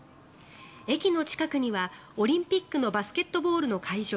駅の近くにはオリンピックのバスケットボールの会場